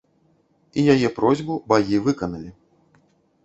І яе просьбу багі выканалі.